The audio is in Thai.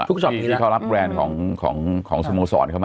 ทีมที่เขารับแบรนด์ของสโมสรเข้ามา